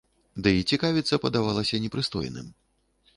Ды і цікавіцца падавалася непрыстойным.